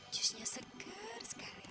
jusnya segar sekali